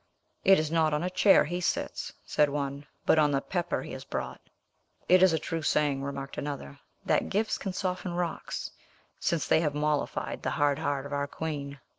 "It is not on a chair he sits," said one, "but on the pepper he has brought." "It is a true saying," remarked another, "that gifts can soften rocks, since they have mollified the hard heart of our queen."